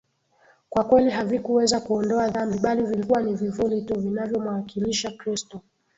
kwa kweli havikuweza kuondoa dhambi bali vilikuwa ni vivuli tu vinavyomwakilisha Kristo